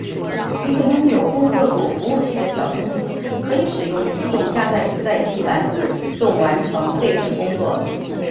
一个拥有工作组服务器的小公司可以使用自动加载磁带机来自动完成备份工作。